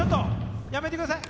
やめてください。